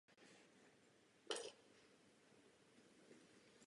Kompromisů bylo dosaženo ve vážné časové tísni.